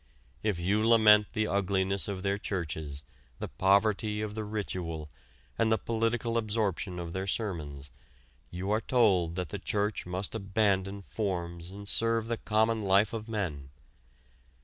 If you lament the ugliness of their churches, the poverty of the ritual, and the political absorption of their sermons, you are told that the church must abandon forms and serve the common life of men.